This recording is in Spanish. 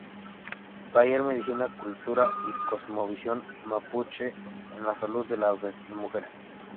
Taller: Medicina, cultura y cosmovisión mapuche en la salud de la mujer.